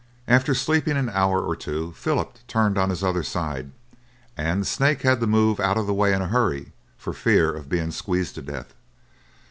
After sleeping an hour or two, Philip turned on his other side, and the snake had to move out of the way in a hurry for fear of being squeezed to death.